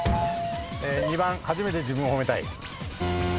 ２番初めて自分を褒めたい。